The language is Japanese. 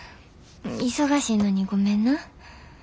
忙しいのにごめんな。